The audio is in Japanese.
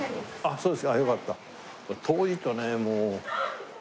そうです。